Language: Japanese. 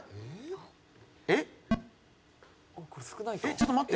ちょっと待って。